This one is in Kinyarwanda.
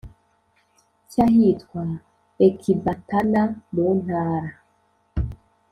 cy ahitwa Ekibatana mu ntara